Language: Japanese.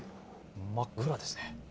真っ暗ですね。